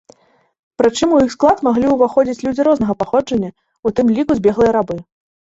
Прычым, у іх склад маглі ўваходзіць людзі рознага паходжання, у тым ліку збеглыя рабы.